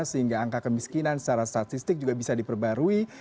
sehingga angka kemiskinan secara statistik juga bisa diperbarui